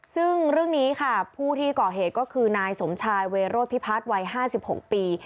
ซึ่งเรื่องนี้ค่ะผู้ที่ก่อเหตุก็คือนายสมชายเวโรธพิพัฒน์วัย๕๖ปี